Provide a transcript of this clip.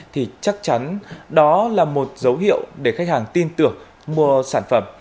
thì chắc chắn đó là một dấu hiệu để khách hàng tin tưởng mua sản phẩm